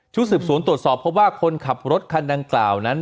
สืบสวนตรวจสอบเพราะว่าคนขับรถคันดังกล่าวนั้น